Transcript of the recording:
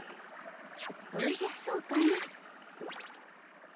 おじゃそうかの。